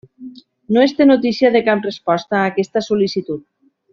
No es té notícia de cap resposta a aquesta sol·licitud.